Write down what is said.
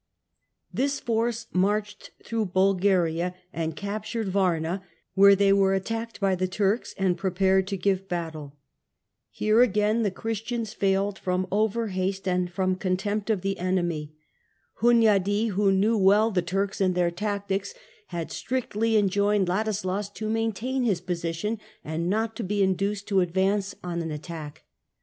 This force marched iith^Nov through Bulgaria and captured Varna, where they were ^^^"^ attacked by the Turks and prepared to give battle. Here again the Christians failed from overhaste and contempt THE GEEEK EMPIRE AND OTTOMAN TUliKB 263 of the enemy. Hunyadi, who knew well the Turks and their tactics, had strictly enjoined Ladislas to maintain his position, and not to be induced to advance on an attack.